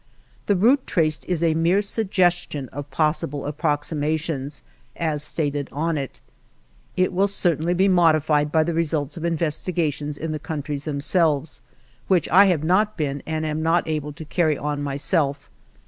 The route traced is a mere suggestion of possible approximations, as stated on it. It will certainly be modified by the results of investigations in the coun tries themselves, which I have not been and am not able to carry on* myself.